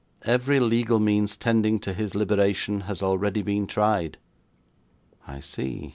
Every legal means tending to his liberation has already been tried.' 'I see.